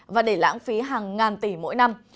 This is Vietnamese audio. và để lãng phí hàng ngàn tỷ mỗi năm